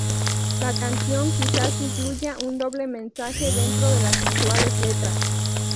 La canción quizás incluya un doble mensaje dentro de las sensuales letras.